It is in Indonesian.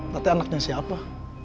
tetep anaknya siapa